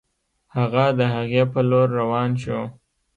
هغه د هغې په لور روان شو